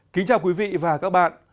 kính chào quý vị và các bạn